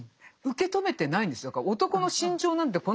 受け止めてないんですよ。